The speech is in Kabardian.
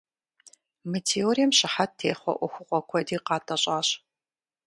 Мы теорием щыхьэт техъуэ ӏуэхугъуэ куэди къатӏэщӏащ.